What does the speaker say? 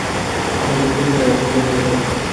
আপনি তাকে খুঁজে পেলে আমাকে কল দিয়ে জানাবেন।